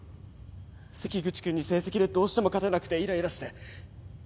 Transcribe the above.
関口君に成績でどうしても勝てなくてイライラして。